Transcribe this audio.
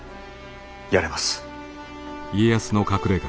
やれます。